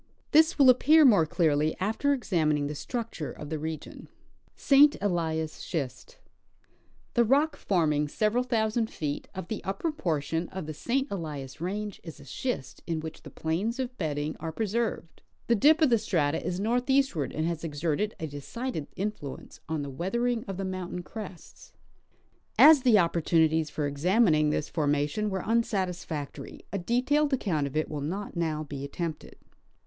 This Avill appear more clearly after examining the structure of the region. St. Elias Schist. The rock forming several thousand feet of the upper portion of the St. Elias range is a schist in which the planes of bedding 24— Nat. Geor. Mag., vol. Ill, 1n91. 174 I. C. Russell — Expedition to' Mount St. Elias. are preserved. The dip of the strata is northeastward, and has exerted a decided influence on the Aveathering of the mountain crests. As the opportunities for examining; this formation were unsatis factor}^, a detailed account of it will not now be attempted.